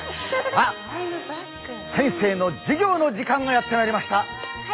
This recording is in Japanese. さあ先生の授業の時間がやって参りました。